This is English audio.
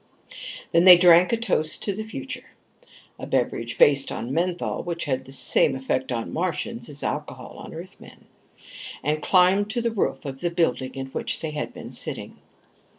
Then they drank a toast to the future in a beverage based on menthol, which had the same effect on Martians as alcohol on Earthmen and climbed to the roof of the building in which they had been sitting.